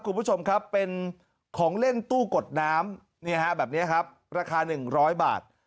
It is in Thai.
คุณผู้ชมครับเป็นของเล่นตู้กดน้ำเนี้ยฮะแบบเนี้ยครับราคาหนึ่งร้อยบาท